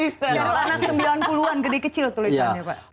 syarul anak sembilan puluh an gede kecil tulisannya pak